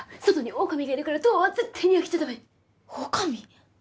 オオカミ？